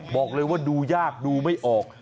บอกเลยว่าดูยากดูไม่ออก